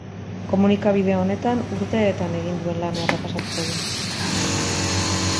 Komunikabide honetan urteetan egin duen lana errepasatuko du.